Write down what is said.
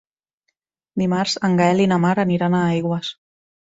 Dimarts en Gaël i na Mar aniran a Aigües.